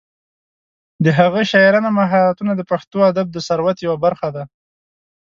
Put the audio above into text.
د هغه شاعرانه مهارتونه د پښتو ادب د ثروت یوه برخه ده.